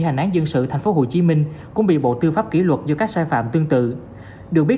hành án dân sự thành phố hồ chí minh cũng bị bộ tư pháp ký luật do các sai phạm tương tự được biết